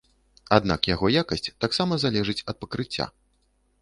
Аднак яго якасць таксама залежыць ад пакрыцця.